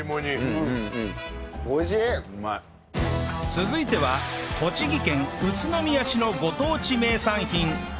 続いては栃木県宇都宮市のご当地名産品